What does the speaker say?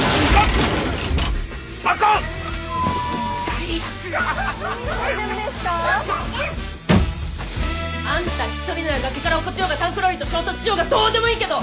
大丈夫ですか？あんた一人なら崖から落っこちようがタンクローリーと衝突しようがどうでもいいけど！